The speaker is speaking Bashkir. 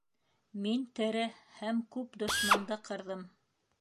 — Мин тере һәм күп дошманды ҡырҙым.